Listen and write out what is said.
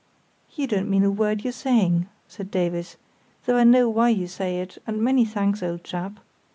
"You don't mean a word you're saying," said Davies, "though I know why you say it; and many thanks, old chap.